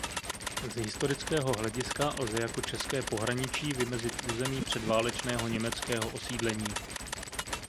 Z historického hlediska lze jako české pohraničí vymezit území předválečného německého osídlení.